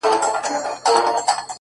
نو د وجود،